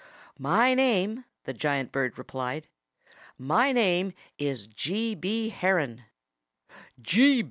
"My name " the giant bird replied "my name is G. B. Heron."